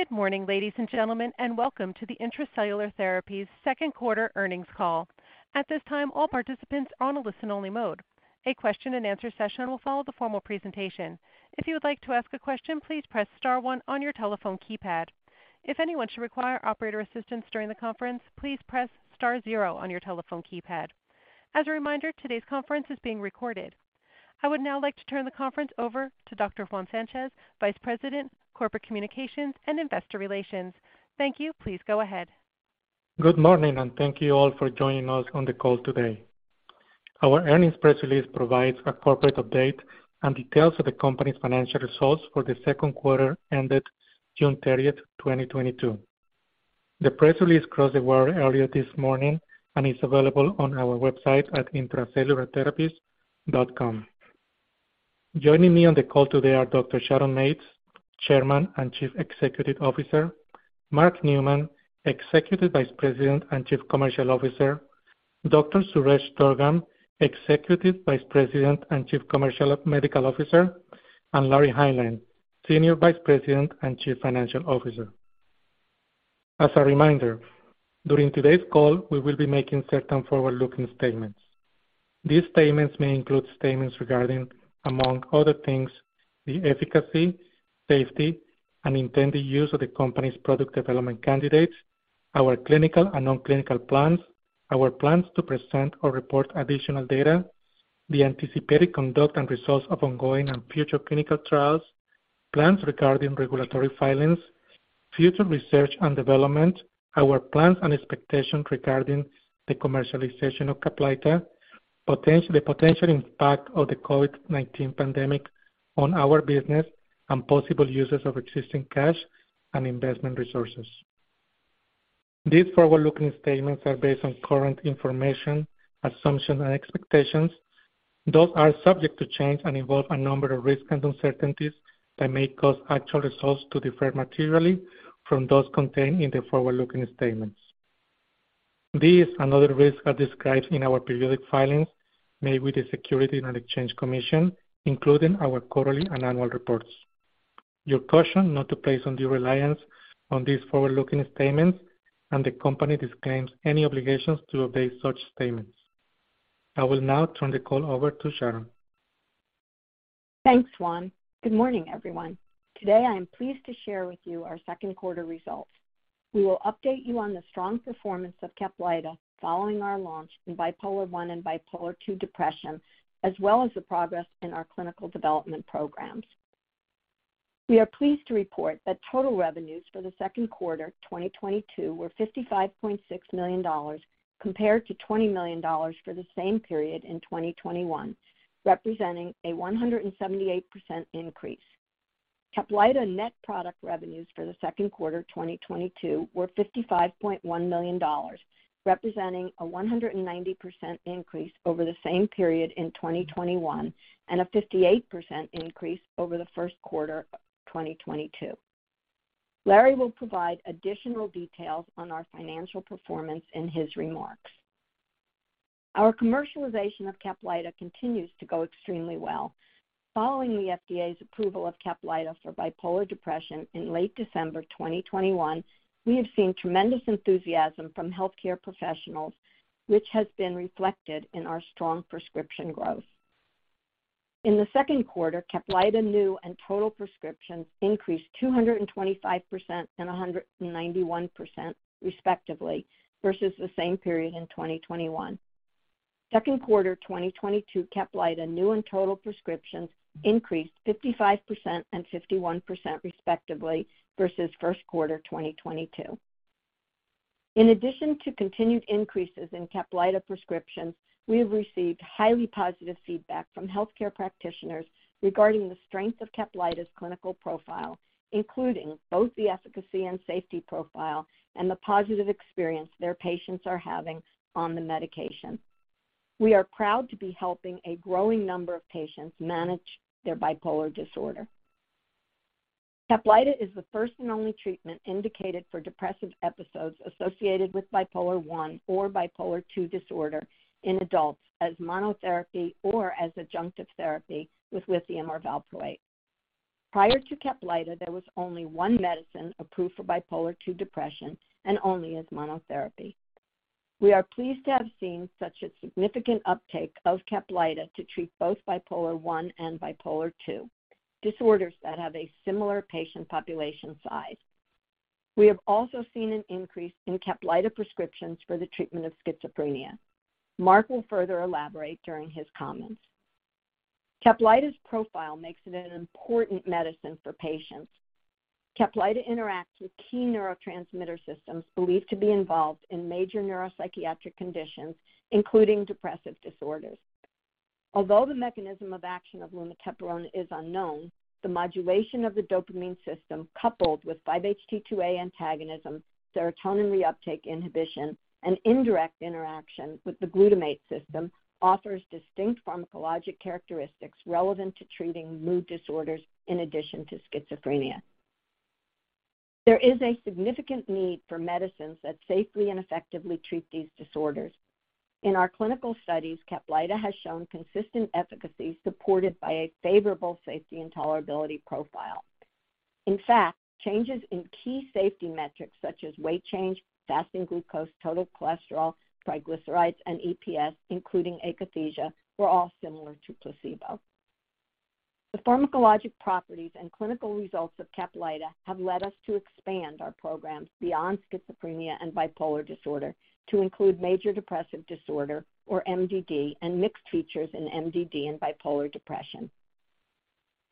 Good morning, ladies and gentlemen, and welcome to the Intra-Cellular Therapies second quarter earnings call. At this time, all participants are on a listen-only mode. A question and answer session will follow the formal presentation. If you would like to ask a question, please press star one on your telephone keypad. If anyone should require operator assistance during the conference, please press star zero on your telephone keypad. As a reminder, today's conference is being recorded. I would now like to turn the conference over to Dr. Juan Sanchez, Vice President, Corporate Communications and Investor Relations. Thank you. Please go ahead. Good morning, and thank you all for joining us on the call today. Our earnings press release provides a corporate update and details of the company's financial results for the second quarter ended June 30, 2022. The press release crossed the wire earlier this morning and is available on our website at intracellulartherapies.com. Joining me on the call today are Dr. Sharon Mates, Chairman and Chief Executive Officer, Mark Neumann, Executive Vice President and Chief Commercial Officer, Dr. Suresh Durgam, Executive Vice President and Chief Medical Officer, and Larry Hineline, Senior Vice President and Chief Financial Officer. As a reminder, during today's call, we will be making certain forward-looking statements. These statements may include statements regarding, among other things, the efficacy, safety, and intended use of the company's product development candidates, our clinical and non-clinical plans, our plans to present or report additional data, the anticipated conduct and results of ongoing and future clinical trials, plans regarding regulatory filings, future research and development, our plans and expectations regarding the commercialization of CAPLYTA, the potential impact of the COVID-19 pandemic on our business, and possible uses of existing cash and investment resources. These forward-looking statements are based on current information, assumptions, and expectations. Those are subject to change and involve a number of risks and uncertainties that may cause actual results to differ materially from those contained in the forward-looking statements. These and other risks are described in our periodic filings made with the Securities and Exchange Commission, including our quarterly and annual reports. You're cautioned not to place undue reliance on these forward-looking statements, and the company disclaims any obligations to update such statements. I will now turn the call over to Sharon. Thanks, Juan. Good morning, everyone. Today, I am pleased to share with you our second quarter results. We will update you on the strong performance of CAPLYTA following our launch in bipolar one and bipolar two depression, as well as the progress in our clinical development programs. We are pleased to report that total revenues for the second quarter 2022 were $55.6 million compared to $20 million for the same period in 2021, representing a 178% increase. CAPLYTA net product revenues for the Q2 2022 were $55.1 million, representing a 190% increase over the same period in 2021 and a 58% increase over the first quarter of 2022. Larry will provide additional details on our financial performance in his remarks. Our commercialization of CAPLYTA continues to go extremely well. Following the FDA's approval of CAPLYTA for bipolar depression in late December 2021, we have seen tremendous enthusiasm from healthcare professionals, which has been reflected in our strong prescription growth. In the second quarter, CAPLYTA new and total prescriptions increased 225% and 191% respectively versus the same period in 2021. Second quarter 2022, CAPLYTA new and total prescriptions increased 55% and 51% respectively versus first quarter 2022. In addition to continued increases in CAPLYTA prescriptions, we have received highly positive feedback from healthcare practitioners regarding the strength of CAPLYTA's clinical profile, including both the efficacy and safety profile and the positive experience their patients are having on the medication. We are proud to be helping a growing number of patients manage their bipolar disorder. CAPLYTA is the first and only treatment indicated for depressive episodes associated with bipolar one or bipolar two disorder in adults as monotherapy or as adjunctive therapy with lithium or valproate. Prior to CAPLYTA, there was only one medicine approved for bipolar two depression and only as monotherapy. We are pleased to have seen such a significant uptake of CAPLYTA to treat both bipolar one and bipolar two disorders that have a similar patient population size. We have also seen an increase in CAPLYTA prescriptions for the treatment of schizophrenia. Mark will further elaborate during his comments. CAPLYTA's profile makes it an important medicine for patients. CAPLYTA interacts with key neurotransmitter systems believed to be involved in major neuropsychiatric conditions, including depressive disorders. Although the mechanism of action of lumateperone is unknown, the modulation of the dopamine system coupled with 5-HT2A antagonism, serotonin reuptake inhibition, and indirect interaction with the glutamate system offers distinct pharmacologic characteristics relevant to treating mood disorders in addition to schizophrenia. There is a significant need for medicines that safely and effectively treat these disorders. In our clinical studies, CAPLYTA has shown consistent efficacy supported by a favorable safety and tolerability profile. In fact, changes in key safety metrics such as weight change, fasting glucose, total cholesterol, triglycerides, and EPS, including akathisia, were all similar to placebo. The pharmacologic properties and clinical results of CAPLYTA have led us to expand our programs beyond schizophrenia and bipolar disorder to include major depressive disorder, or MDD, and mixed features in MDD and bipolar depression.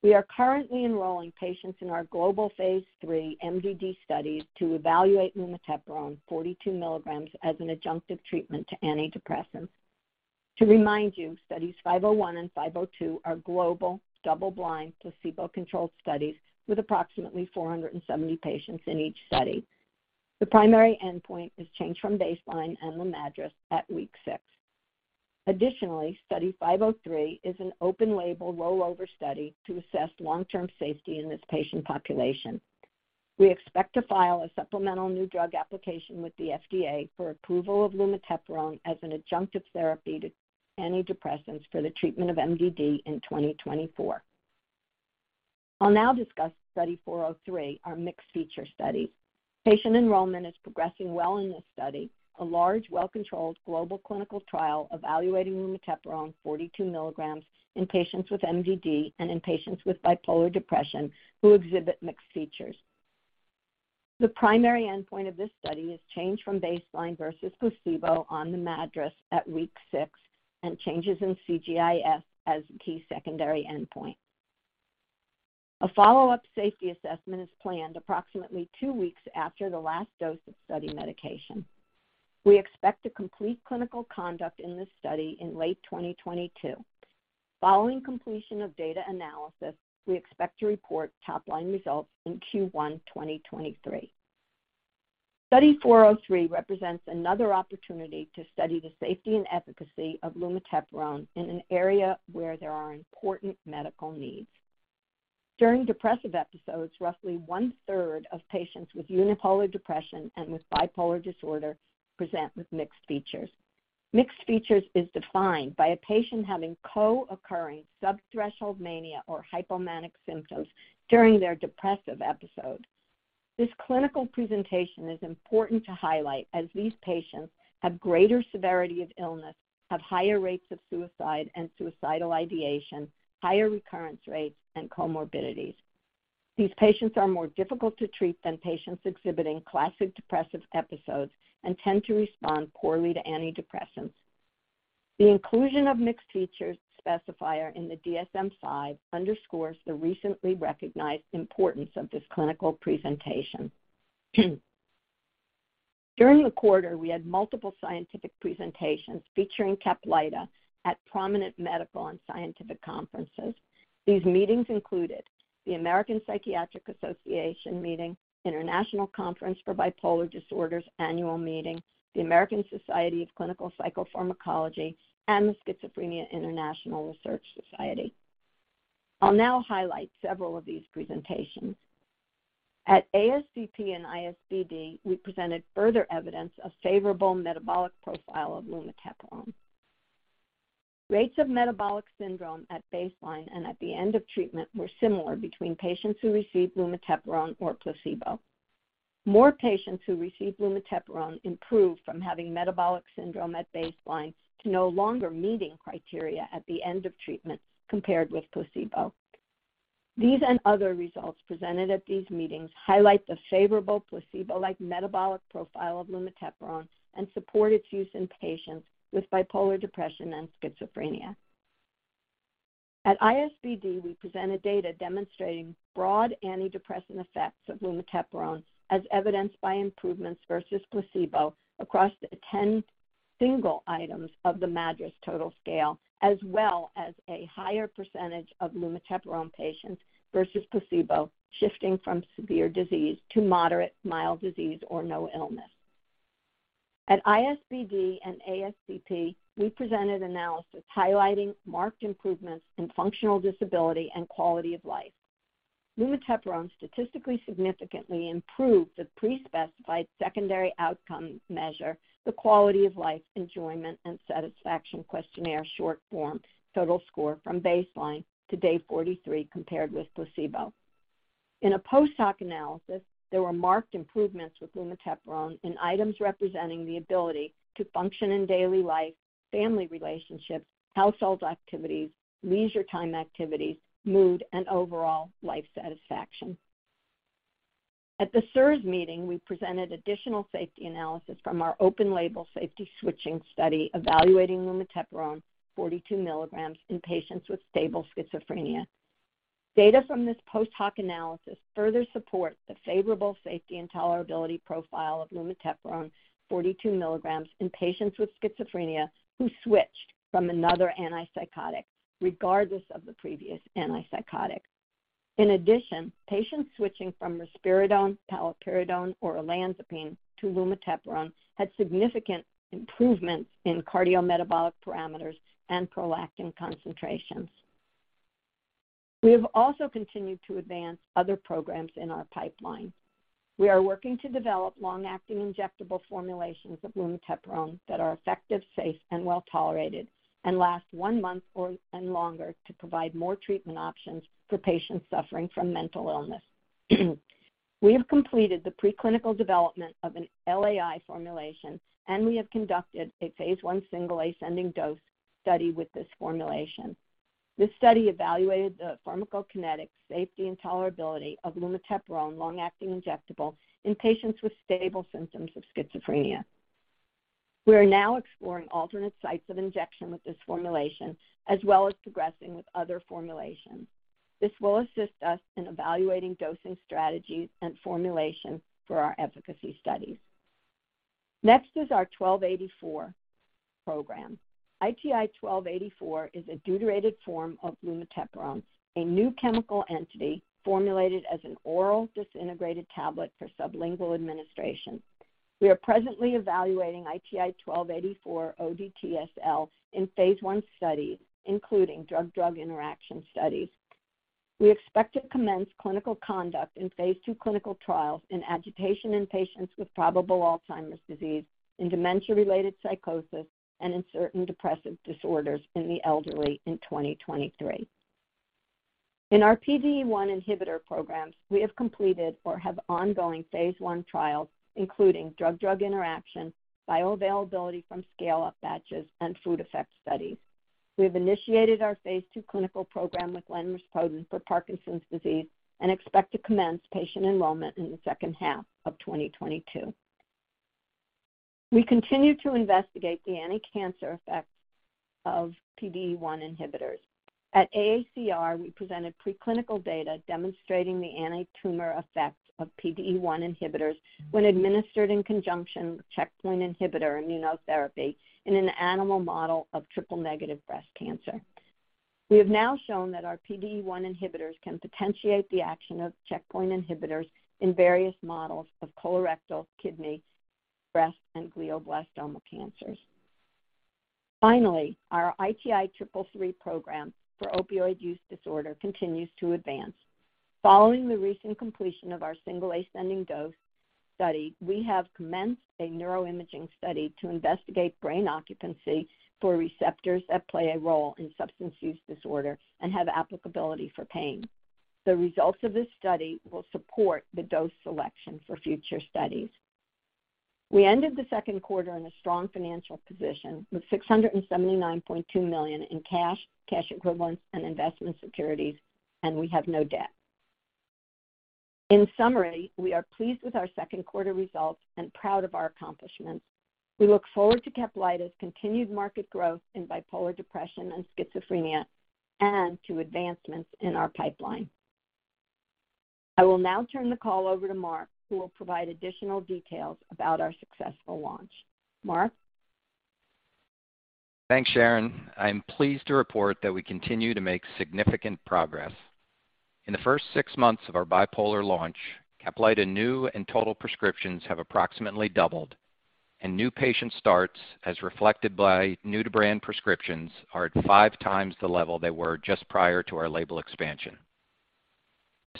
We are currently enrolling patients in our global phase III MDD studies to evaluate lumateperone 42 mg as an adjunctive treatment to antidepressants. To remind you, studies 501 and 502 are global double-blind placebo-controlled studies with approximately 470 patients in each study. The primary endpoint is change from baseline in the MADRS at week six. Additionally, study 503 is an open-label rollover study to assess long-term safety in this patient population. We expect to file a Supplemental New Drug Application with the FDA for approval of lumateperone as an adjunctive therapy to antidepressants for the treatment of MDD in 2024. I'll now discuss study 403, our mixed-features study. Patient enrollment is progressing well in this study, a large, well-controlled global clinical trial evaluating lumateperone 42 mg in patients with MDD and in patients with bipolar depression who exhibit mixed features. The primary endpoint of this study is change from baseline versus placebo on the MADRS at week six and changes in CGI-S as key secondary endpoint. A follow-up safety assessment is planned approximately two weeks after the last dose of study medication. We expect to complete clinical conduct in this study in late 2022. Following completion of data analysis, we expect to report top-line results in Q1 2023. Study 403 represents another opportunity to study the safety and efficacy of lumateperone in an area where there are important medical needs. During depressive episodes, roughly one-third of patients with unipolar depression and with bipolar disorder present with mixed features. Mixed features is defined by a patient having co-occurring subthreshold mania or hypomanic symptoms during their depressive episode. This clinical presentation is important to highlight as these patients have greater severity of illness, have higher rates of suicide and suicidal ideation, higher recurrence rates, and comorbidities. These patients are more difficult to treat than patients exhibiting classic depressive episodes and tend to respond poorly to antidepressants. The inclusion of mixed features specifier in the DSM-V underscores the recently recognized importance of this clinical presentation. During the quarter, we had multiple scientific presentations featuring CAPLYTA at prominent medical and scientific conferences. These meetings included the American Psychiatric Association Meeting, International Conference for Bipolar Disorders Annual Meeting, the American Society of Clinical Psychopharmacology, and the Schizophrenia International Research Society. I'll now highlight several of these presentations. At ASCP and ISBD, we presented further evidence of favorable metabolic profile of lumateperone. Rates of metabolic syndrome at baseline and at the end of treatment were similar between patients who received lumateperone or placebo. More patients who received lumateperone improved from having metabolic syndrome at baseline to no longer meeting criteria at the end of treatment compared with placebo. These and other results presented at these meetings highlight the favorable placebo-like metabolic profile of lumateperone and support its use in patients with bipolar depression and schizophrenia. At ISBD, we presented data demonstrating broad antidepressant effects of lumateperone as evidenced by improvements versus placebo across the 10 single items of the MADRS total scale, as well as a higher percentage of lumateperone patients versus placebo shifting from severe disease to moderate, mild disease or no illness. At ISBD and ASCP, we presented analysis highlighting marked improvements in functional disability and quality of life. Lumateperone statistically significantly improved the pre-specified secondary outcome measure, the quality of life enjoyment and satisfaction questionnaire short form total score from baseline to day 43 compared with placebo. In a post-hoc analysis, there were marked improvements with lumateperone in items representing the ability to function in daily life, family relationships, household activities, leisure time activities, mood, and overall life satisfaction. At the SIRS meeting, we presented additional safety analysis from our open label safety switching study evaluating lumateperone 42 mg in patients with stable schizophrenia. Data from this post-hoc analysis further support the favorable safety and tolerability profile of lumateperone 42 mg in patients with schizophrenia who switched from another antipsychotic, regardless of the previous antipsychotic. In addition, patients switching from risperidone, paliperidone, or olanzapine to lumateperone had significant improvements in cardiometabolic parameters and prolactin concentrations. We have also continued to advance other programs in our pipeline. We are working to develop long-acting injectable formulations of lumateperone that are effective, safe, and well-tolerated and last one month or longer to provide more treatment options for patients suffering from mental illness. We have completed the preclinical development of an LAI formulation, and we have conducted a phase I single ascending dose study with this formulation. This study evaluated the pharmacokinetic safety and tolerability of lumateperone long-acting injectable in patients with stable symptoms of schizophrenia. We are now exploring alternate sites of injection with this formulation, as well as progressing with other formulations. This will assist us in evaluating dosing strategies and formulation for our efficacy studies. Next is our 1284 program. ITI-1284 is a deuterated form of lumateperone, a new chemical entity formulated as an orally disintegrating tablet for sublingual administration. We are presently evaluating ITI-1284 ODT-SL in phase I studies, including drug-drug interaction studies. We expect to commence clinical conduct in phase II clinical trials in agitation in patients with probable Alzheimer's disease and dementia-related psychosis and in certain depressive disorders in the elderly in 2023. In our PDE1 inhibitor programs, we have completed or have ongoing phase I trials, including drug-drug interaction, bioavailability from scale-up batches, and food effects studies. We have initiated our phase 2 clinical program with lenrispodun for Parkinson's disease and expect to commence patient enrollment in the second half of 2022. We continue to investigate the anticancer effects of PDE1 inhibitors. At AACR, we presented preclinical data demonstrating the antitumor effects of PDE1 inhibitors when administered in conjunction with checkpoint inhibitor immunotherapy in an animal model of triple-negative breast cancer. We have now shown that our PDE1 inhibitors can potentiate the action of checkpoint inhibitors in various models of colorectal, kidney, breast, and glioblastoma cancers. Finally, our ITI-333 program for opioid use disorder continues to advance. Following the recent completion of our single ascending dose study, we have commenced a neuroimaging study to investigate brain occupancy for receptors that play a role in substance use disorder and have applicability for pain. The results of this study will support the dose selection for future studies. We ended the second quarter in a strong financial position with $679.2 million in cash equivalents, and investment securities, and we have no debt. In summary, we are pleased with our second quarter results and proud of our accomplishments. We look forward to CAPLYTA's continued market growth in bipolar depression and schizophrenia and to advancements in our pipeline. I will now turn the call over to Mark, who will provide additional details about our successful launch. Mark. Thanks, Sharon. I'm pleased to report that we continue to make significant progress. In the first six months of our bipolar launch, CAPLYTA new and total prescriptions have approximately doubled, and new patient starts, as reflected by new-to-brand prescriptions, are at five times the level they were just prior to our label expansion.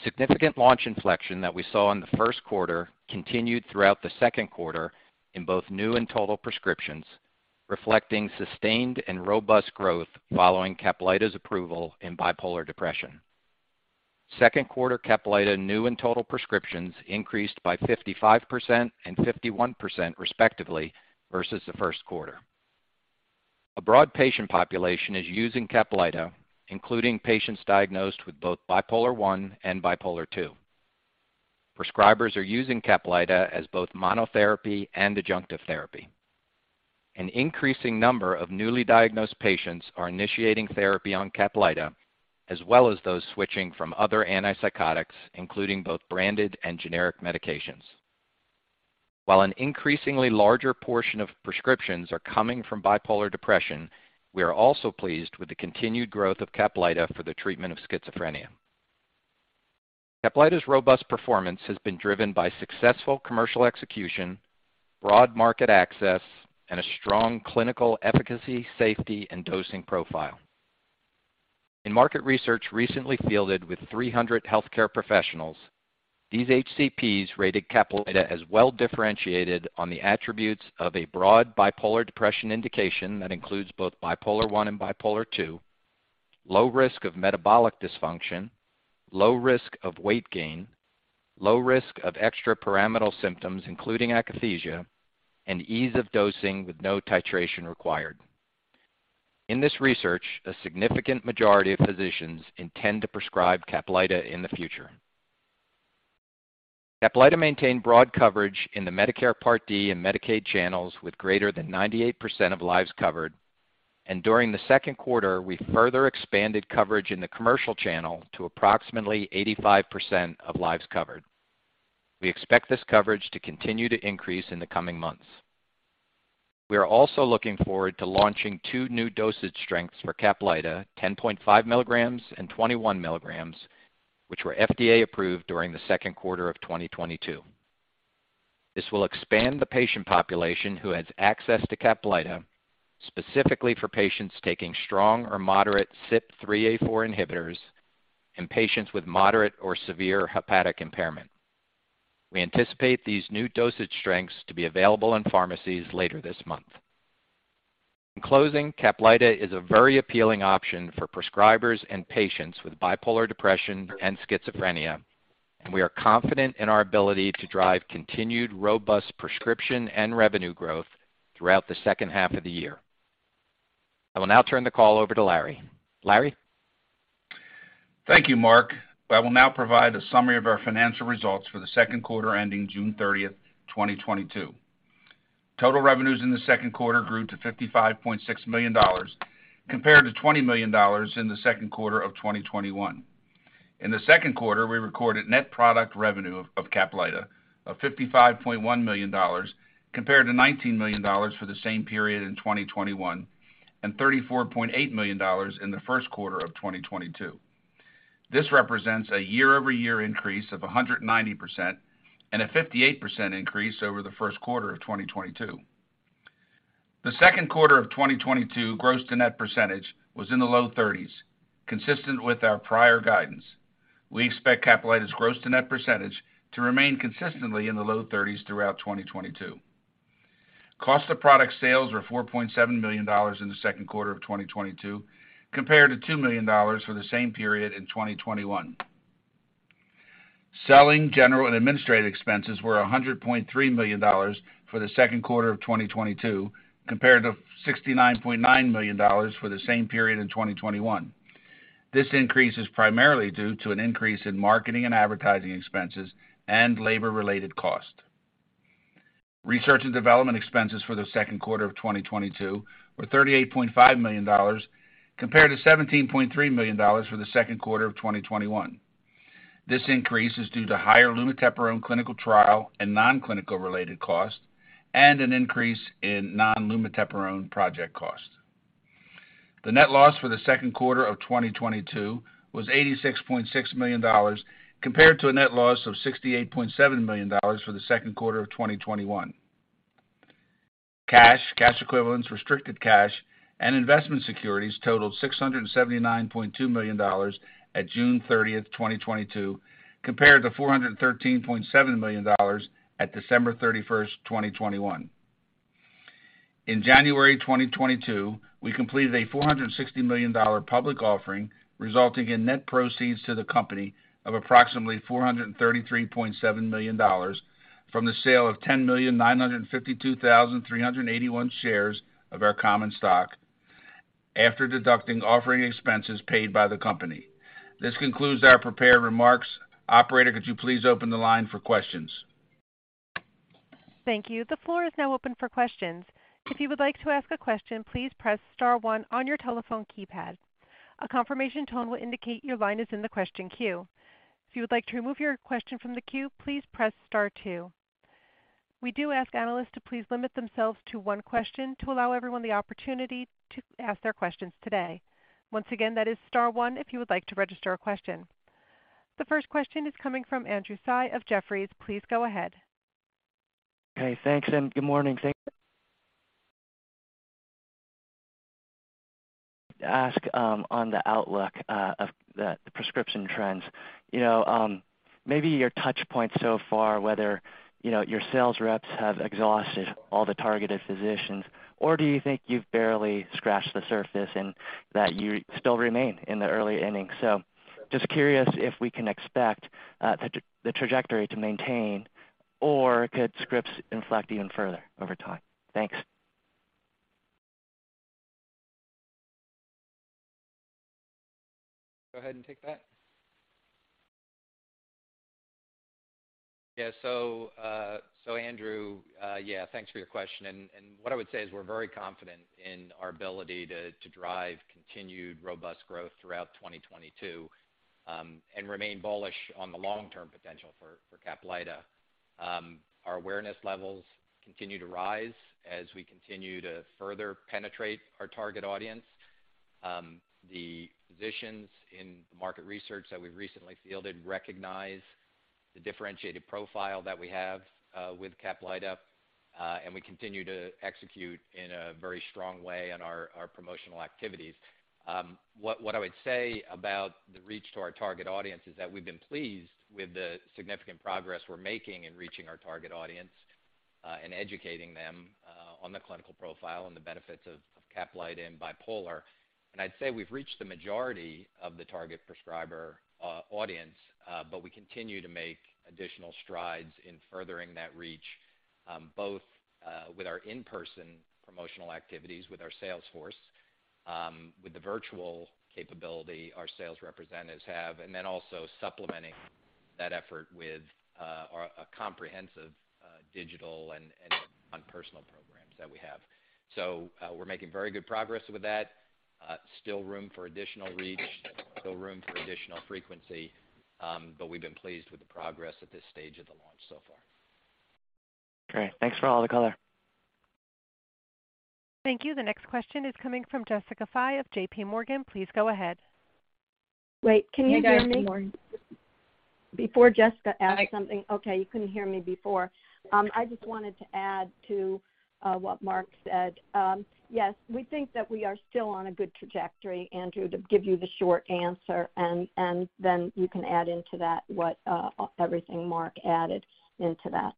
Significant launch inflection that we saw in the first quarter continued throughout the second quarter in both new and total prescriptions, reflecting sustained and robust growth following CAPLYTA's approval in bipolar depression. Second quarter CAPLYTA new and total prescriptions increased by 55% and 51%, respectively, versus the first quarter. A broad patient population is using CAPLYTA, including patients diagnosed with both bipolar one and bipolar two. Prescribers are using CAPLYTA as both monotherapy and adjunctive therapy. An increasing number of newly diagnosed patients are initiating therapy on CAPLYTA, as well as those switching from other antipsychotics, including both branded and generic medications. While an increasingly larger portion of prescriptions are coming from bipolar depression, we are also pleased with the continued growth of CAPLYTA for the treatment of schizophrenia. CAPLYTA's robust performance has been driven by successful commercial execution, broad market access, and a strong clinical efficacy, safety, and dosing profile. In market research recently fielded with 300 healthcare professionals, these HCPs rated CAPLYTA as well-differentiated on the attributes of a broad bipolar depression indication that includes both bipolar one and bipolar two, low risk of metabolic dysfunction, low risk of weight gain, low risk of extrapyramidal symptoms, including akathisia, and ease of dosing with no titration required. In this research, a significant majority of physicians intend to prescribe CAPLYTA in the future. CAPLYTA maintained broad coverage in the Medicare Part D and Medicaid channels with greater than 98% of lives covered. During the second quarter, we further expanded coverage in the commercial channel to approximately 85% of lives covered. We expect this coverage to continue to increase in the coming months. We are also looking forward to launching two new dosage strengths for CAPLYTA, 10.5 mg and 21 mg, which were FDA approved during the second quarter of 2022. This will expand the patient population who has access to CAPLYTA, specifically for patients taking strong or moderate CYP3A4 inhibitors in patients with moderate or severe hepatic impairment. We anticipate these new dosage strengths to be available in pharmacies later this month. In closing, CAPLYTA is a very appealing option for prescribers and patients with bipolar depression and schizophrenia, and we are confident in our ability to drive continued robust prescription and revenue growth throughout the second half of the year. I will now turn the call over to Larry. Larry? Thank you, Mark. I will now provide a summary of our financial results for the second quarter ending June thirtieth, 2022. Total revenues in the second quarter grew to $55.6 million compared to $20 million in the second quarter of 2021. In the second quarter, we recorded net product revenue of CAPLYTA of $55.1 million compared to $19 million for the same period in 2021 and $34.8 million in the first quarter of 2022. This represents a year-over-year increase of 190% and a 58% increase over the first quarter of 2022. The second quarter of 2022 gross to net percentage was in the low thirties, consistent with our prior guidance. We expect CAPLYTA's gross to net percentage to remain consistently in the low thirties throughout 2022. Cost of product sales were $4.7 million in the second quarter of 2022 compared to $2 million for the same period in 2021. Selling, general, and administrative expenses were $100.3 million for the second quarter of 2022 compared to $69.9 million for the same period in 2021. This increase is primarily due to an increase in marketing and advertising expenses and labor-related costs. Research and development expenses for the second quarter of 2022 were $38.5 million compared to $17.3 million for the second quarter of 2021. This increase is due to higher lumateperone clinical trial and non-clinical related costs and an increase in non-lumateperone project costs. The net loss for the second quarter of 2022 was $86.6 million compared to a net loss of $68.7 million for the second quarter of 2021. Cash, cash equivalents, restricted cash, and investment securities totaled $679.2 million at June 30, 2022 compared to $413.7 million at December 31, 2021. In January 2022, we completed a $460 million public offering resulting in net proceeds to the company of approximately $433.7 million from the sale of 10,952,381 shares of our common stock after deducting offering expenses paid by the company. This concludes our prepared remarks. Operator, could you please open the line for questions? Thank you. The floor is now open for questions. If you would like to ask a question, please press star one on your telephone keypad. A confirmation tone will indicate your line is in the question queue. If you would like to remove your question from the queue, please press star two. We do ask analysts to please limit themselves to one question to allow everyone the opportunity to ask their questions today. Once again, that is star one if you would like to register a question. The first question is coming from Andrew Tsai of Jefferies. Please go ahead. Hey, thanks and good morning. Ask on the outlook of the prescription trends. You know, maybe your touch points so far, whether you know, your sales reps have exhausted all the targeted physicians, or do you think you've barely scratched the surface and that you still remain in the early innings? Just curious if we can expect the trajectory to maintain or could scripts inflect even further over time? Thanks. Go ahead and take that. Yeah. So Andrew, yeah, thanks for your question. What I would say is we're very confident in our ability to drive continued robust growth throughout 2022, and remain bullish on the long-term potential for CAPLYTA. Our awareness levels continue to rise as we continue to further penetrate our target audience. The physicians in the market research that we've recently fielded recognize the differentiated profile that we have with CAPLYTA, and we continue to execute in a very strong way on our promotional activities. What I would say about the reach to our target audience is that we've been pleased with the significant progress we're making in reaching our target audience, and educating them on the clinical profile and the benefits of CAPLYTA in bipolar. I'd say we've reached the majority of the target prescriber audience, but we continue to make additional strides in furthering that reach, both with our in-person promotional activities with our sales force, with the virtual capability our sales representatives have, and then also supplementing that effort with a comprehensive digital and non-personal programs that we have. We're making very good progress with that. Still room for additional reach, still room for additional frequency, but we've been pleased with the progress at this stage of the launch so far. Great. Thanks for all the color. Thank you. The next question is coming from Jessica Fye of JPMorgan. Please go ahead. Wait, can you hear me? Before Jessica asked something. Okay, you couldn't hear me before. I just wanted to add to what Mark said. Yes, we think that we are still on a good trajectory, Andrew, to give you the short answer, and then you can add into that what everything Mark added into that.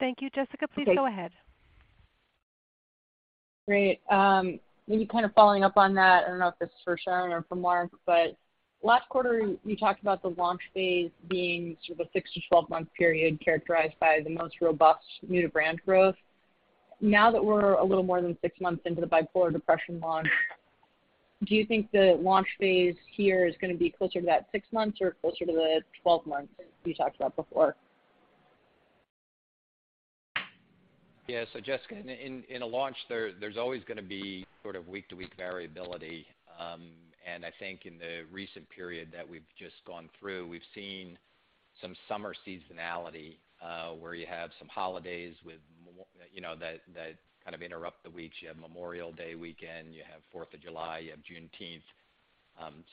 Thank you. Jessica, please go ahead. Okay. Great. Maybe kind of following up on that. I don't know if it's for Sharon or for Mark, but last quarter, you talked about the launch phase being sort of a six- to 12-month period characterized by the most robust new to brand growth. Now that we're a little more than 6 months into the bipolar depression launch, do you think the launch phase here is gonna be closer to that 6 months or closer to the 12 months you talked about before? Jessica, in a launch there's always gonna be sort of week-to-week variability. I think in the recent period that we've just gone through, we've seen some summer seasonality, where you have some holidays with more, you know, that kind of interrupt the week. You have Memorial Day weekend, you have Fourth of July, you have Juneteenth.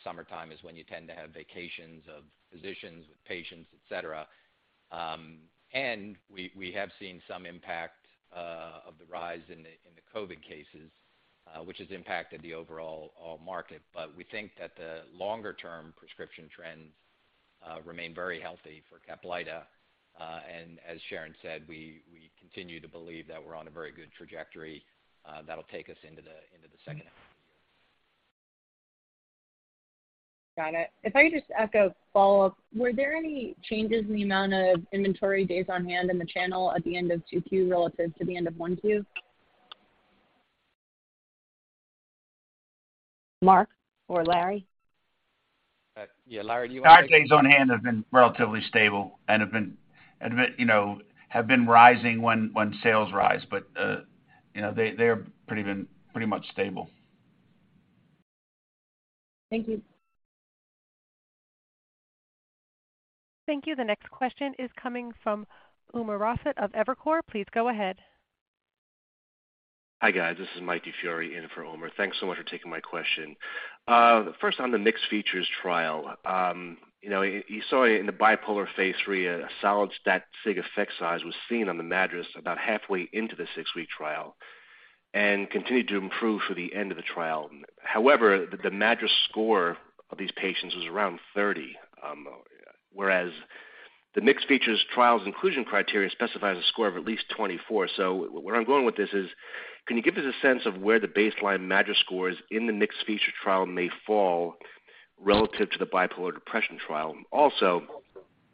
Summertime is when you tend to have vacations for physicians and patients, et cetera. We have seen some impact of the rise in the COVID cases, which has impacted the overall market. We think that the longer-term prescription trends remain very healthy for CAPLYTA. As Sharon said, we continue to believe that we're on a very good trajectory, that'll take us into the second half of the year. Got it. If I could just ask a follow-up. Were there any changes in the amount of inventory days on hand in the channel at the end of Q2 relative to the end of Q1? Mark or Larry? Yeah. Larry, you want to take it? Days on hand have been relatively stable, a bit, you know, rising when sales rise, but, you know, they're pretty much stable. Thank you. Thank you. The next question is coming from Umer Raffat of Evercore ISI. Please go ahead. Hi, guys. This is Mike DiFiore in for Umer. Thanks so much for taking my question. First on the mixed features trial. You know, you saw in the bipolar phase III a solid stat sig effect size was seen on the MADRS about halfway into the six-week trial and continued to improve through the end of the trial. However, the MADRS score of these patients was around 30, whereas the mixed features trial's inclusion criteria specifies a score of at least 24. What I'm going with this is, can you give us a sense of where the baseline MADRS scores in the mixed feature trial may fall relative to the bipolar depression trial? Also,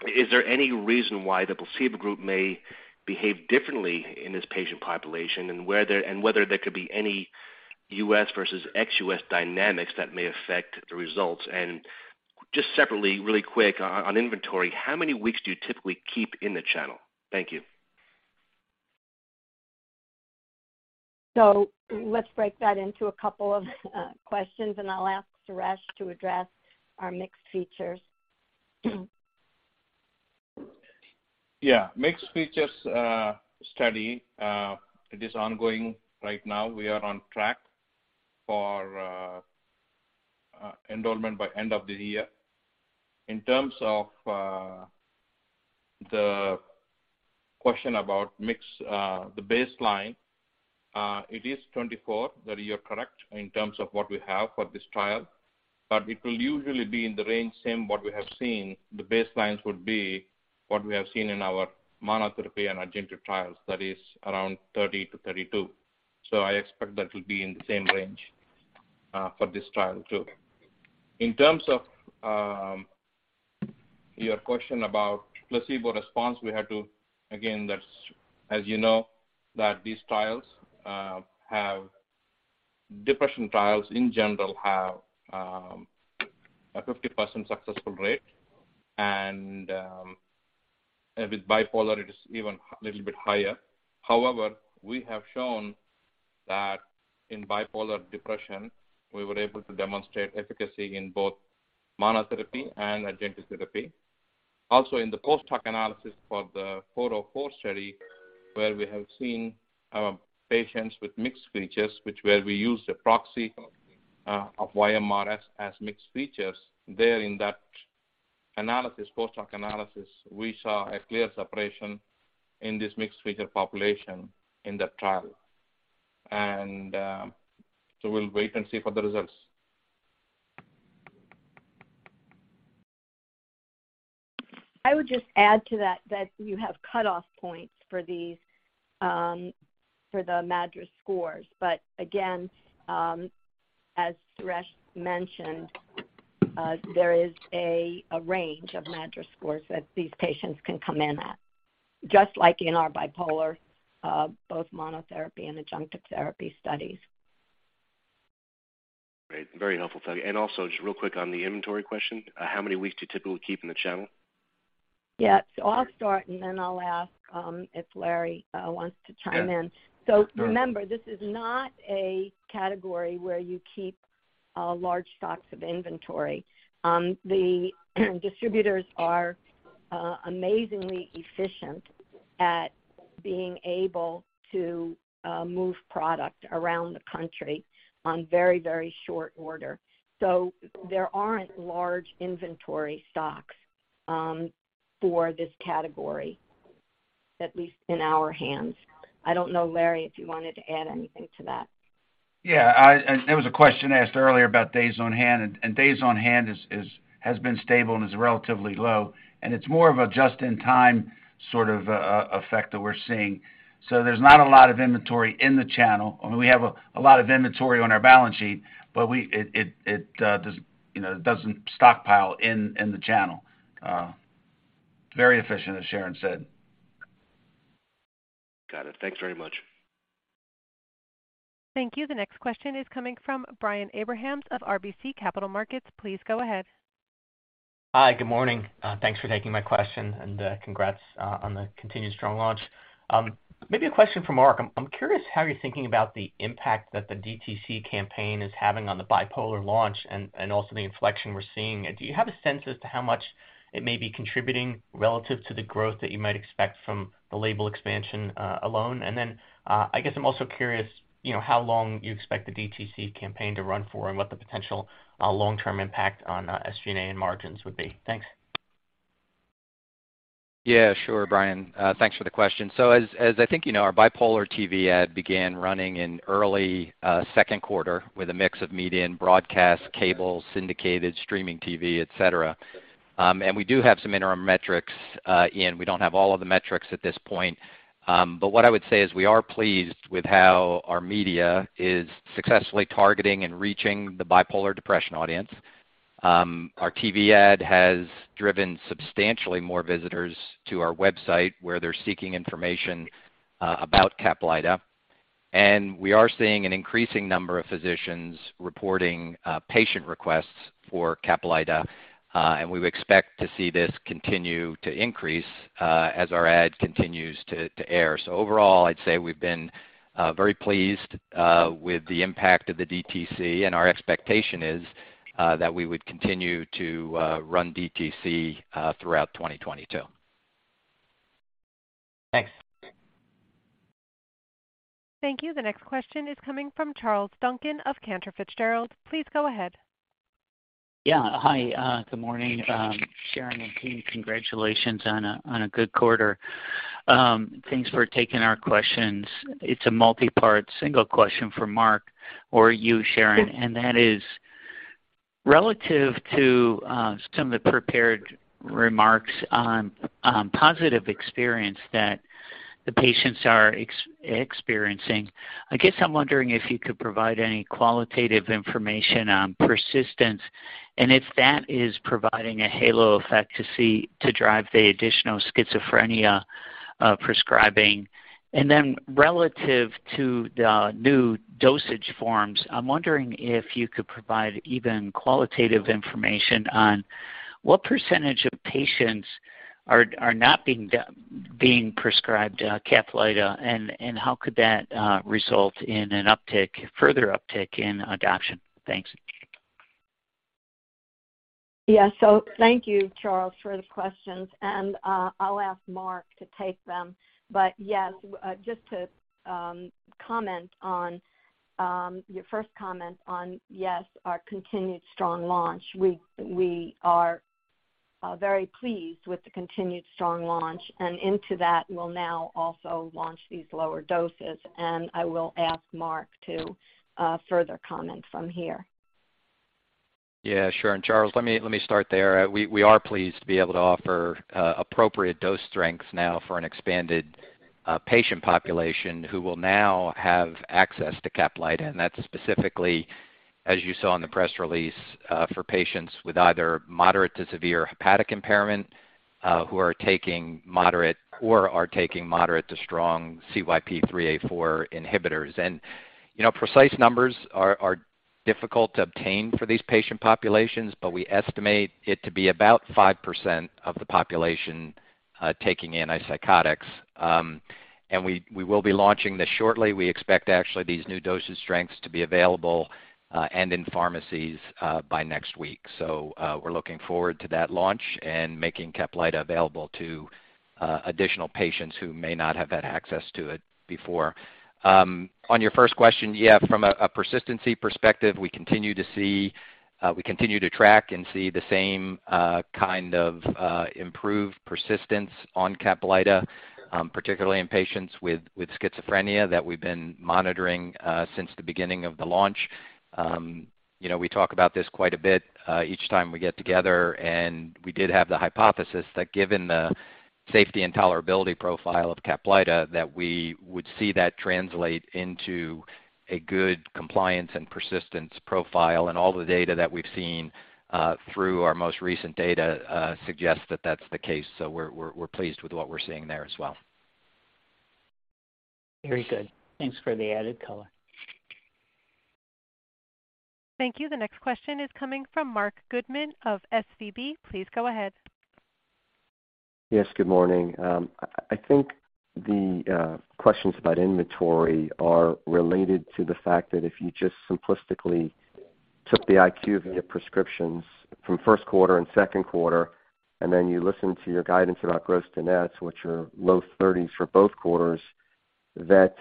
is there any reason why the placebo group may behave differently in this patient population? Whether there could be any U.S. versus ex-U.S. dynamics that may affect the results. Just separately, really quick, on inventory, how many weeks do you typically keep in the channel? Thank you. Let's break that into a couple of questions, and I'll ask Suresh to address our mixed features. Yeah. Mixed features study, it is ongoing right now. We are on track for enrollment by end of the year. In terms of the question about mixed, the baseline, it is 24, that you're correct in terms of what we have for this trial, but it will usually be in the range same what we have seen. The baselines would be what we have seen in our monotherapy and adjunctive trials. That is around 30-32. I expect that will be in the same range for this trial too. In terms of your question about placebo response, we have to, again, that's as you know, that these trials have. Depression trials in general have a 50% successful rate, and with bipolar it is even little bit higher. However, we have shown that in bipolar depression we were able to demonstrate efficacy in both monotherapy and adjunctive therapy. Also in the post-hoc analysis for the 404 study where we have seen patients with mixed features, where we use a proxy of YMRS as mixed features, there in that analysis, post-hoc analysis, we saw a clear separation in this mixed feature population in that trial. We'll wait and see for the results. I would just add to that you have cutoff points for these, for the MADRS scores. Again, as Suresh mentioned, there is a range of MADRS scores that these patients can come in at, just like in our bipolar, both monotherapy and adjunctive therapy studies. Great. Very helpful. Thank you. Also just real quick on the inventory question, how many weeks do you typically keep in the channel? Yeah. I'll start, and then I'll ask if Larry wants to chime in. Yeah. Remember, this is not a category where you keep large stocks of inventory. The distributors are amazingly efficient at being able to move product around the country on very, very short order. There aren't large inventory stocks for this category, at least in our hands. I don't know, Larry, if you wanted to add anything to that. Yeah. There was a question asked earlier about days on hand, and days on hand has been stable and is relatively low, and it's more of a just-in-time sort of effect that we're seeing. So there's not a lot of inventory in the channel. I mean, we have a lot of inventory on our balance sheet, but it does, you know, doesn't stockpile in the channel. Very efficient, as Sharon said. Got it. Thanks very much. Thank you. The next question is coming from Brian Abrahams of RBC Capital Markets. Please go ahead. Hi. Good morning. Thanks for taking my question, and congrats on the continued strong launch. Maybe a question for Mark. I'm curious how you're thinking about the impact that the DTC campaign is having on the bipolar launch and also the inflection we're seeing. Do you have a sense as to how much it may be contributing relative to the growth that you might expect from the label expansion alone? I guess I'm also curious, you know, how long you expect the DTC campaign to run for and what the potential long-term impact on SG&A and margins would be. Thanks. Yeah. Sure, Brian. Thanks for the question. As I think you know, our bipolar TV ad began running in early second quarter with a mix of media and broadcast, cable, syndicated, streaming TV, et cetera. We do have some interim metrics. We don't have all of the metrics at this point. What I would say is we are pleased with how our media is successfully targeting and reaching the bipolar depression audience. Our TV ad has driven substantially more visitors to our website, where they're seeking information about CAPLYTA. We are seeing an increasing number of physicians reporting patient requests for CAPLYTA, and we would expect to see this continue to increase as our ad continues to air. Overall, I'd say we've been very pleased with the impact of the DTC, and our expectation is that we would continue to run DTC throughout 2022. Thanks. Thank you. The next question is coming from Charles Duncan of Cantor Fitzgerald. Please go ahead. Yeah. Hi. Good morning, Sharon and team. Congratulations on a good quarter. Thanks for taking our questions. It's a multi-part single question for Mark or you, Sharon. That is, relative to some of the prepared remarks on positive experience that the patients are experiencing, I guess I'm wondering if you could provide any qualitative information on persistence and if that is providing a halo effect to drive the additional schizophrenia prescribing. Relative to the new dosage forms, I'm wondering if you could provide even qualitative information on what percentage of patients are not being prescribed CAPLYTA, and how could that result in an uptick, further uptick in adoption? Thanks. Thank you, Charles, for the questions. I'll ask Mark to take them. Yes, just to comment on your first comment on, yes, our continued strong launch. We are very pleased with the continued strong launch. Into that, we'll now also launch these lower doses, and I will ask Mark to further comment from here. Yeah. Sure. Charles, let me start there. We are pleased to be able to offer appropriate dose strengths now for an expanded patient population who will now have access to CAPLYTA. That's specifically, as you saw in the press release, for patients with either moderate to severe hepatic impairment who are taking moderate to strong CYP3A4 inhibitors. You know, precise numbers are difficult to obtain for these patient populations, but we estimate it to be about 5% of the population taking antipsychotics. We will be launching this shortly. We expect actually these new dosage strengths to be available and in pharmacies by next week. We're looking forward to that launch and making CAPLYTA available to additional patients who may not have had access to it before. On your first question, yeah, from a persistence perspective, we continue to track and see the same kind of improved persistence on CAPLYTA, particularly in patients with schizophrenia that we've been monitoring since the beginning of the launch. You know, we talk about this quite a bit each time we get together, and we did have the hypothesis that given the safety and tolerability profile of CAPLYTA, that we would see that translate into a good compliance and persistence profile. All the data that we've seen through our most recent data suggests that that's the case. We're pleased with what we're seeing there as well. Very good. Thanks for the added color. Thank you. The next question is coming from Marc Goodman of SVB. Please go ahead. Yes, good morning. I think the questions about inventory are related to the fact that if you just simplistically took the IQVIA prescriptions from first quarter and second quarter, and then you listen to your guidance about gross to nets, which are low 30s% for both quarters, that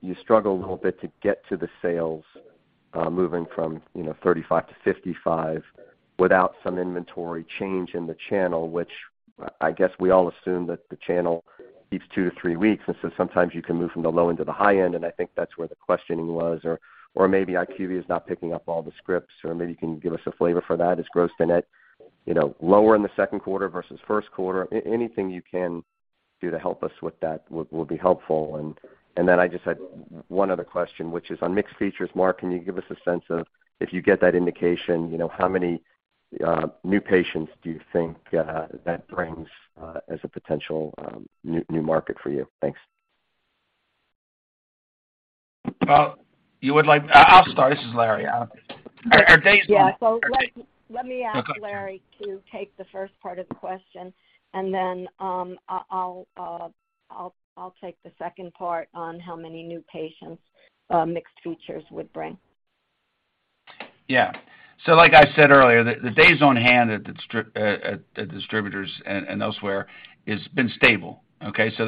you struggle a little bit to get to the sales moving from, you know, $35-$55 without some inventory change in the channel, which I guess we all assume that the channel keeps 2-3 weeks. Sometimes you can move from the low end to the high end, and I think that's where the questioning was or maybe IQVIA is not picking up all the scripts, or maybe you can give us a flavor for that. Is gross to net, you know, lower in the second quarter versus first quarter? Anything you can do to help us with that will be helpful. Then I just had one other question, which is on mixed features. Mark, can you give us a sense of if you get that indication, you know, how many new patients do you think that brings as a potential new market for you? Thanks. I'll start. This is Larry. Our days Yeah. Let me ask Larry to take the first part of the question, and then, I'll take the second part on how many new patients mixed features would bring. Like I said earlier, the days on hand at distributors and elsewhere is been stable. There's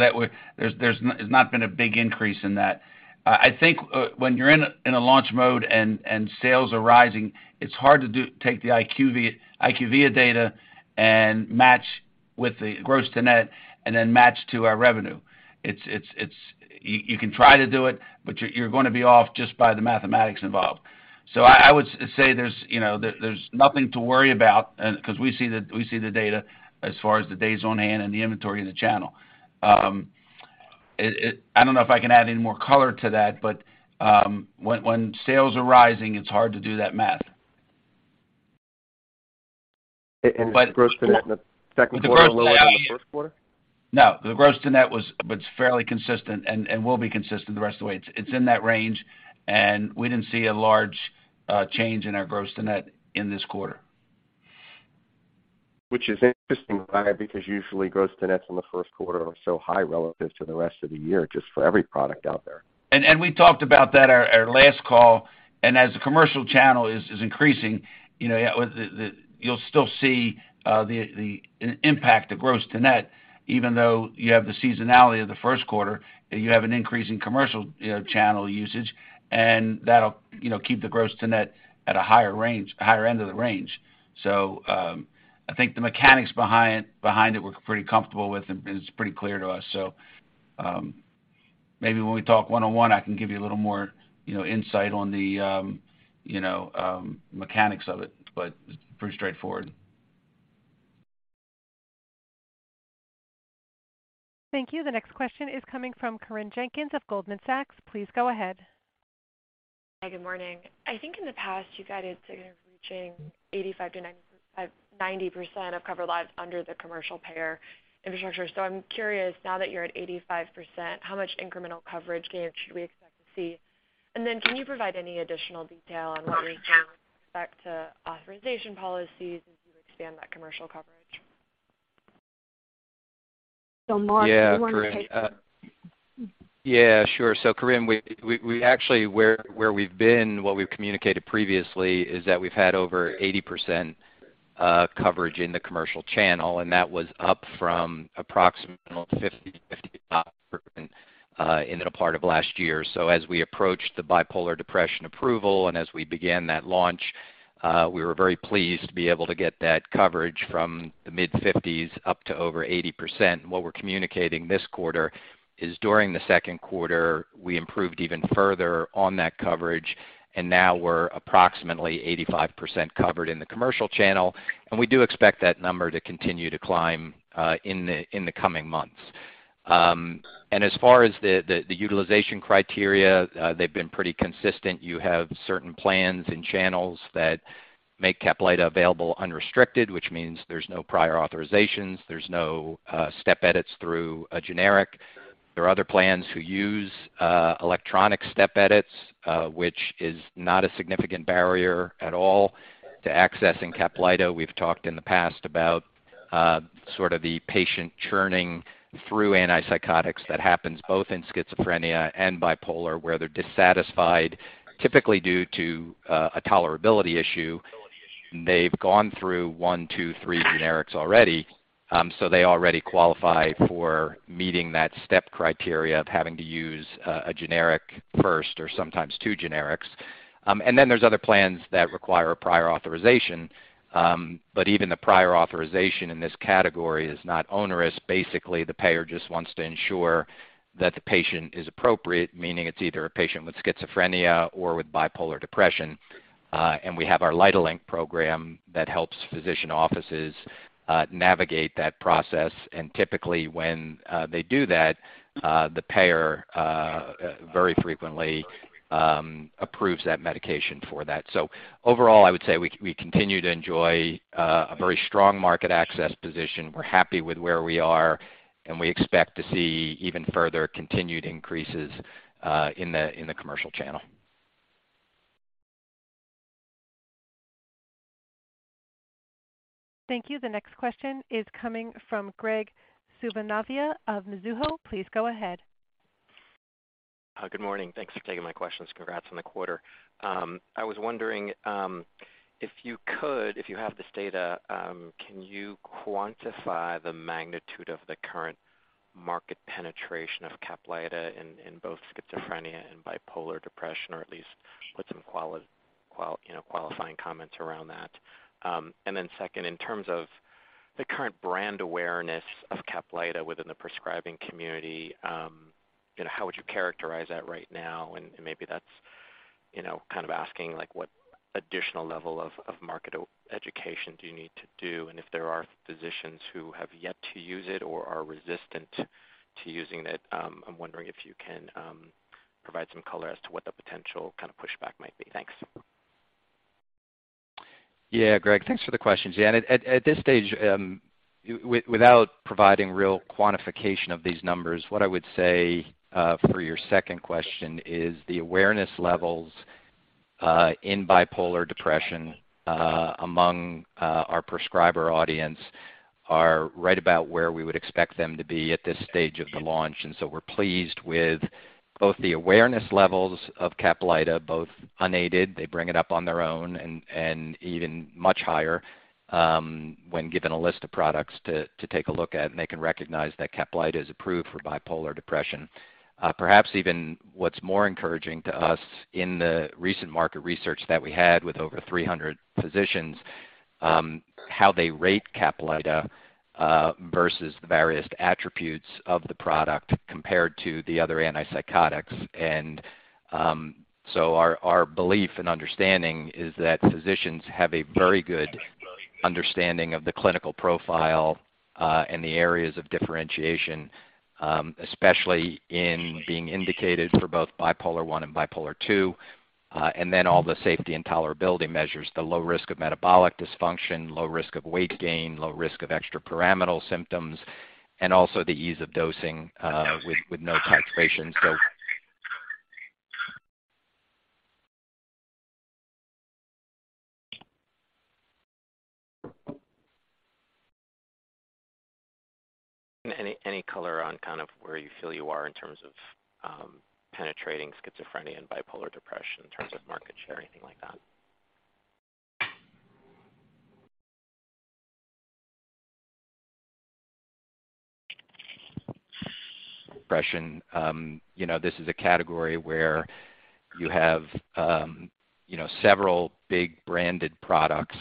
not been a big increase in that. I think when you're in a launch mode and sales are rising, it's hard to take the IQVIA data and match with the gross to net and then match to our revenue. It's you can try to do it, but you're gonna be off just by the mathematics involved. I would say there's, you know, there's nothing to worry about, 'cause we see the data as far as the days on hand and the inventory in the channel. I don't know if I can add any more color to that, but when sales are rising, it's hard to do that math. Is the gross to net in the second quarter a little higher than the first quarter? No. The gross to net was fairly consistent and will be consistent the rest of the way. It's in that range, and we didn't see a large change in our gross to net in this quarter. Which is interesting, Larry, because usually gross to nets on the first quarter are so high relative to the rest of the year, just for every product out there. We talked about that on our last call, as the commercial channel is increasing, you know, the impact of gross to net, even though you have the seasonality of the first quarter, you have an increase in commercial channel usage, and that'll keep the gross to net at a higher range, higher end of the range. I think the mechanics behind it, we're pretty comfortable with and it's pretty clear to us. Maybe when we talk one-on-one, I can give you a little more insight on the mechanics of it, but it's pretty straightforward. Thank you. The next question is coming from Corinne Jenkins of Goldman Sachs. Please go ahead. Hi, good morning. I think in the past, you guided to reaching 85%-95% of covered lives under the commercial payer infrastructure. I'm curious, now that you're at 85%, how much incremental coverage gain should we expect to see? And then can you provide any additional detail on what we can expect to prior authorization policies as you expand that commercial coverage? Mark, do you want to take? Yeah. Corinne. Yeah, sure. Corinne, we actually where we've been, what we've communicated previously is that we've had over 80% coverage in the commercial channel, and that was up from approximately 50%-55% in the part of last year. As we approached the bipolar depression approval and as we began that launch, we were very pleased to be able to get that coverage from the mid-50s up to over 80%. What we're communicating this quarter is during the second quarter, we improved even further on that coverage, and now we're approximately 85% covered in the commercial channel, and we do expect that number to continue to climb in the coming months. As far as the utilization criteria, they've been pretty consistent. You have certain plans and channels that make CAPLYTA available unrestricted, which means there's no prior authorizations, there's no step edits through a generic. There are other plans who use electronic step edits, which is not a significant barrier at all to accessing CAPLYTA. We've talked in the past about sort of the patient churning through antipsychotics that happens both in schizophrenia and bipolar, where they're dissatisfied, typically due to a tolerability issue. They've gone through one, two, three generics already, so they already qualify for meeting that step criteria of having to use a generic first or sometimes two generics. There's other plans that require a prior authorization, but even the prior authorization in this category is not onerous. Basically, the payer just wants to ensure that the patient is appropriate, meaning it's either a patient with schizophrenia or with bipolar depression. We have our LYTAlink program that helps physician offices navigate that process. Typically, when they do that, the payer very frequently approves that medication for that. Overall, I would say we continue to enjoy a very strong market access position. We're happy with where we are, and we expect to see even further continued increases in the commercial channel. Thank you. The next question is coming from Graig Suvannavejh of Mizuho. Please go ahead. Good morning. Thanks for taking my questions. Congrats on the quarter. I was wondering, if you could, if you have this data, can you quantify the magnitude of the current market penetration of CAPLYTA in both schizophrenia and bipolar depression, or at least put some qualifying comments around that? And then second, in terms of the current brand awareness of CAPLYTA within the prescribing community, you know, how would you characterize that right now? And maybe that's, you know, kind of asking like what additional level of market education do you need to do? If there are physicians who have yet to use it or are resistant to using it, I'm wondering if you can provide some color as to what the potential kind of pushback might be. Thanks. Yeah. Greg, thanks for the questions. Yeah. At this stage, without providing real quantification of these numbers, what I would say for your second question is the awareness levels in bipolar depression among our prescriber audience are right about where we would expect them to be at this stage of the launch. We're pleased with both the awareness levels of CAPLYTA, both unaided, they bring it up on their own and even much higher when given a list of products to take a look at, and they can recognize that CAPLYTA is approved for bipolar depression. Perhaps even what's more encouraging to us in the recent market research that we had with over 300 physicians, how they rate CAPLYTA versus the various attributes of the product compared to the other antipsychotics. Our belief and understanding is that physicians have a very good understanding of the clinical profile, and the areas of differentiation, especially in being indicated for both bipolar one and bipolar two, and then all the safety and tolerability measures, the low risk of metabolic dysfunction, low risk of weight gain, low risk of extrapyramidal symptoms, and also the ease of dosing, with no titration. Any color on kind of where you feel you are in terms of penetrating schizophrenia and bipolar depression in terms of market share, anything like that? Depression, you know, this is a category where you have, you know, several big branded products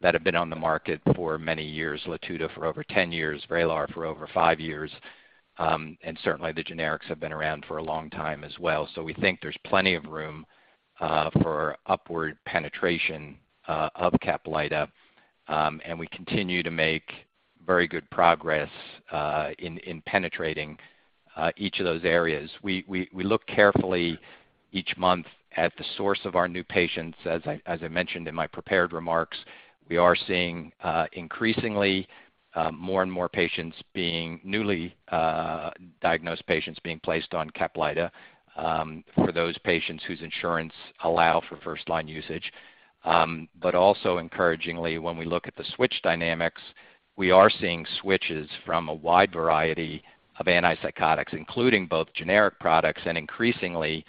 that have been on the market for many years, Latuda for over 10 years, Vraylar for over five years, and certainly, the generics have been around for a long time as well. We think there's plenty of room, for upward penetration, of CAPLYTA, and we continue to make very good progress, in penetrating, each of those areas. We look carefully each month at the source of our new patients. As I mentioned in my prepared remarks, we are seeing, increasingly, more and more patients being newly diagnosed patients being placed on CAPLYTA, for those patients whose insurance allow for first line usage. Also encouragingly, when we look at the switch dynamics, we are seeing switches from a wide variety of antipsychotics, including both generic products and increasingly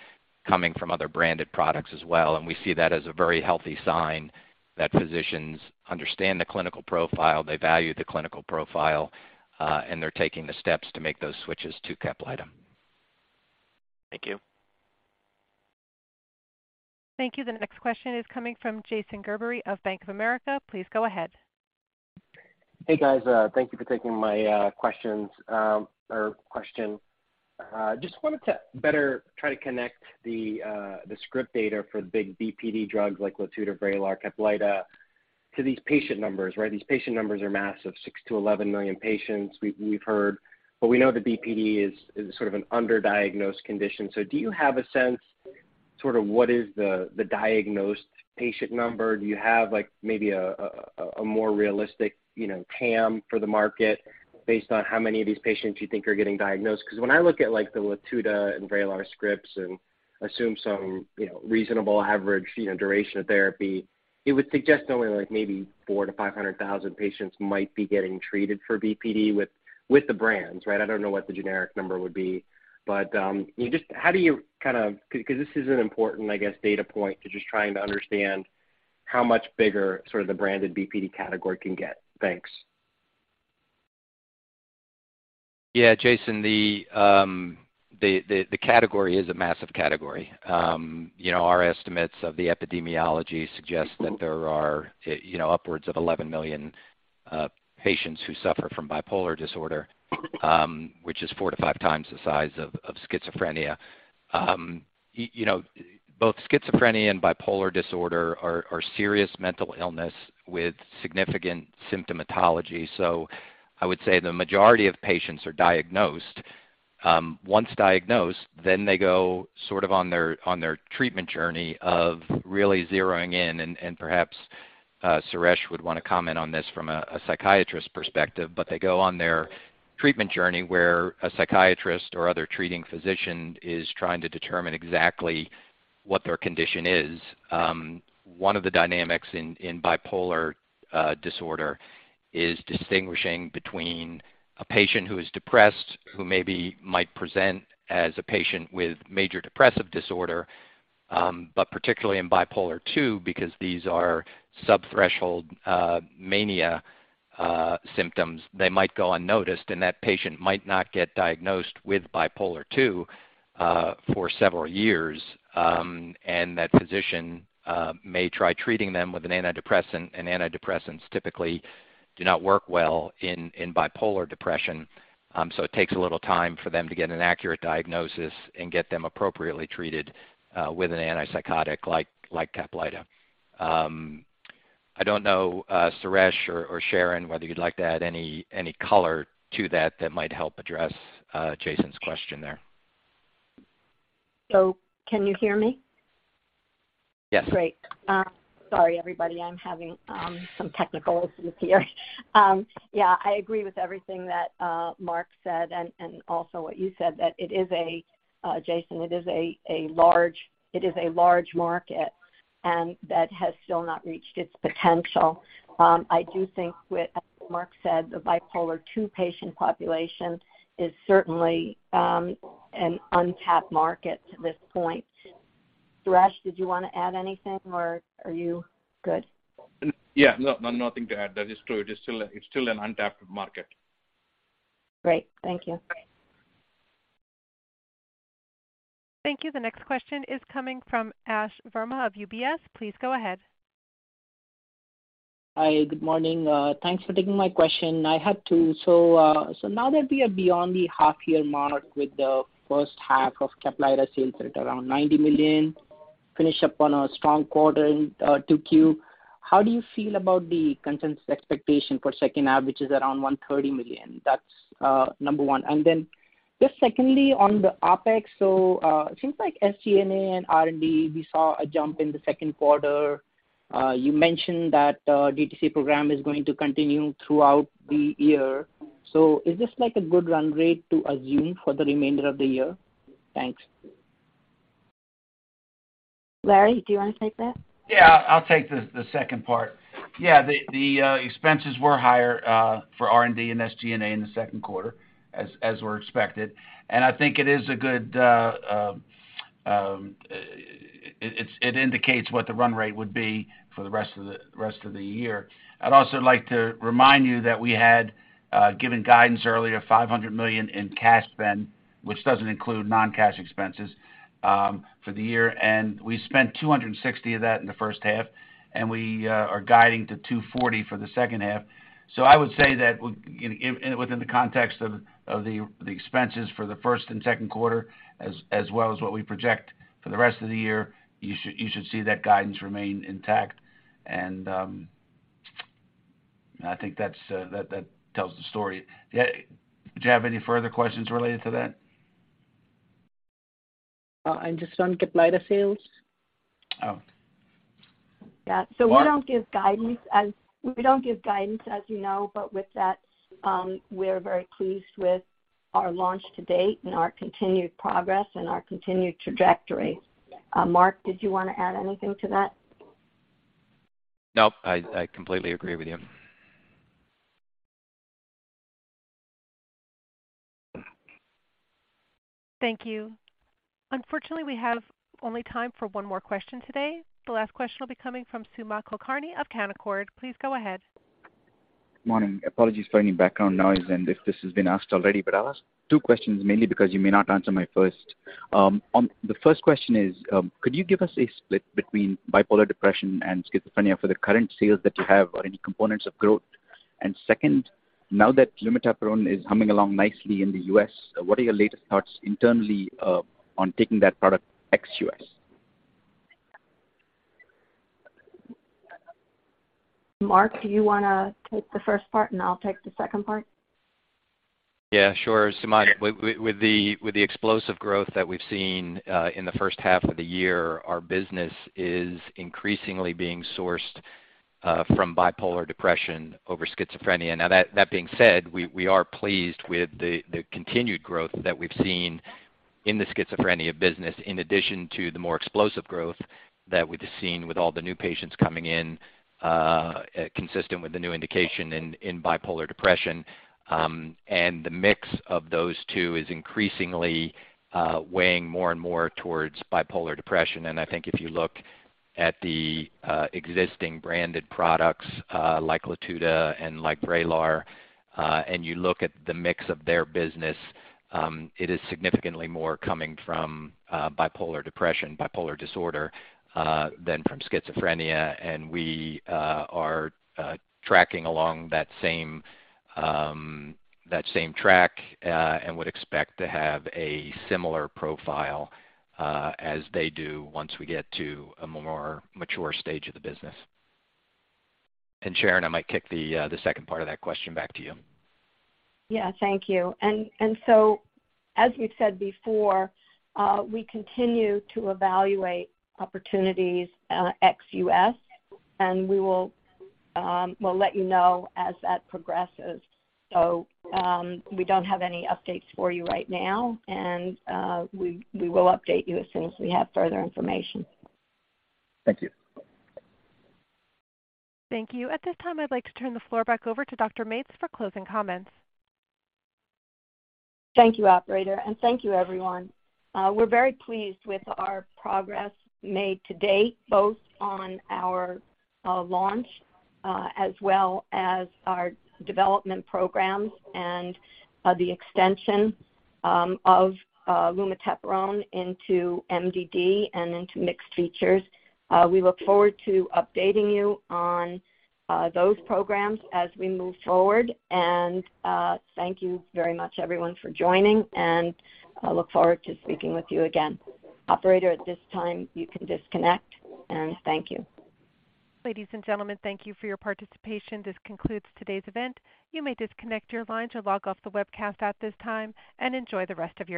coming from other branded products as well. We see that as a very healthy sign that physicians understand the clinical profile, they value the clinical profile, and they're taking the steps to make those switches to CAPLYTA. Thank you. Thank you. The next question is coming from Jason Gerberry of Bank of America. Please go ahead. Hey, guys. Thank you for taking my questions or question. Just wanted to better try to connect the script data for the big BPD drugs like Latuda, Vraylar, CAPLYTA to these patient numbers, right? These patient numbers are massive, 6 million-11 million patients we've heard. We know the BPD is sort of an underdiagnosed condition. Do you have a sense sort of what is the diagnosed patient number? Do you have, like, maybe a more realistic, you know, TAM for the market based on how many of these patients you think are getting diagnosed? 'Cause when I look at, like, the Latuda and Vraylar scripts and assume some, you know, reasonable average, you know, duration of therapy, it would suggest only, like, maybe 400,000-500,000 patients might be getting treated for BPD with the brands, right? I don't know what the generic number would be. How do you kind of... 'Cause this is an important, I guess, data point to just trying to understand how much bigger sort of the branded BPD category can get. Thanks. Yeah. Jason, the category is a massive category. You know, our estimates of the epidemiology suggest that there are, you know, upwards of 11 million patients who suffer from bipolar disorder, which is 4x-5x the size of schizophrenia. You know, both schizophrenia and bipolar disorder are serious mental illness with significant symptomatology. I would say the majority of patients are diagnosed. Once diagnosed, then they go sort of on their treatment journey of really zeroing in, and perhaps Suresh would wanna comment on this from a psychiatrist perspective, but they go on their treatment journey where a psychiatrist or other treating physician is trying to determine exactly what their condition is. One of the dynamics in bipolar disorder is distinguishing between a patient who is depressed, who maybe might present as a patient with major depressive disorder, but particularly in bipolar two, because these are sub-threshold mania symptoms, they might go unnoticed, and that patient might not get diagnosed with bipolar two for several years. That physician may try treating them with an antidepressant, and antidepressants typically do not work well in bipolar depression. It takes a little time for them to get an accurate diagnosis and get them appropriately treated with an antipsychotic like CAPLYTA. I don't know, Suresh or Sharon, whether you'd like to add any color to that that might help address Jason's question there. Can you hear me? Yes. Great. Sorry, everybody, I'm having some technical issues with hearing. Yeah, I agree with everything that Mark said and also what you said. Jason, it is a large market and that has still not reached its potential. I do think, as Mark said, the bipolar two patient population is certainly an untapped market to this point. Suresh, did you want to add anything, or are you good? Yeah. No, no, nothing to add. That is true. It is still an untapped market. Great. Thank you. Thank you. The next question is coming from Ash Verma of UBS. Please go ahead. Hi. Good morning. Thanks for taking my question. I have two. Now that we are beyond the half year mark with the first half of CAPLYTA sales at around $90 million, finish up on a strong quarter in Q2, how do you feel about the consensus expectation for second half, which is around $130 million? That's number one. Then just secondly, on the OpEx. It seems like SG&A and R&D, we saw a jump in the second quarter. You mentioned that DTC program is going to continue throughout the year. Is this like a good run rate to assume for the remainder of the year? Thanks. Larry, do you wanna take that? Yeah, I'll take the second part. Yeah, the expenses were higher for R&D and SG&A in the second quarter as were expected, and I think it indicates what the run rate would be for the rest of the year. I'd also like to remind you that we had given guidance earlier, $500 million in cash spend, which doesn't include non-cash expenses for the year, and we spent $260 million of that in the first half, and we are guiding to $240 million for the second half. I would say that within the context of the expenses for the first and second quarter as well as what we project for the rest of the year, you should see that guidance remain intact. I think that tells the story. Yeah. Do you have any further questions related to that? Just on CAPLYTA sales. Oh. Yeah. Mark? We don't give guidance as you know, but with that, we're very pleased with our launch to date and our continued progress and our continued trajectory. Mark, did you wanna add anything to that? Nope. I completely agree with you. Thank you. Unfortunately, we have only time for one more question today. The last question will be coming from Sumant Kulkarni of Canaccord. Please go ahead. Morning. Apologies for any background noise and if this has been asked already, but I'll ask two questions, mainly because you may not answer my first. The first question is, could you give us a split between bipolar depression and schizophrenia for the current sales that you have or any components of growth? Second, now that lumateperone is humming along nicely in the U.S., what are your latest thoughts internally, on taking that product ex-U.S.? Mark, do you wanna take the first part, and I'll take the second part? Yeah, sure. Sumant, with the explosive growth that we've seen in the first half of the year, our business is increasingly being sourced from bipolar depression over schizophrenia. Now, that being said, we are pleased with the continued growth that we've seen in the schizophrenia business, in addition to the more explosive growth that we've seen with all the new patients coming in, consistent with the new indication in bipolar depression. The mix of those two is increasingly weighing more and more towards bipolar depression. I think if you look at the existing branded products, like Latuda and like Vraylar, and you look at the mix of their business, it is significantly more coming from bipolar depression, bipolar disorder, than from schizophrenia. We are tracking along that same track and would expect to have a similar profile as they do once we get to a more mature stage of the business. Sharon, I might kick the second part of that question back to you. Yeah. Thank you. As we've said before, we continue to evaluate opportunities ex-U.S., and we'll let you know as that progresses. We don't have any updates for you right now, and we will update you as soon as we have further information. Thank you. Thank you. At this time, I'd like to turn the floor back over to Dr. Mates for closing comments. Thank you, operator, and thank you, everyone. We're very pleased with our progress made to date, both on our launch, as well as our development programs and the extension of lumateperone into MDD and into mixed features. We look forward to updating you on those programs as we move forward. Thank you very much everyone for joining, and I look forward to speaking with you again. Operator, at this time, you can disconnect, and thank you. Ladies and gentlemen, thank you for your participation. This concludes today's event. You may disconnect your lines or log off the webcast at this time, and enjoy the rest of your day.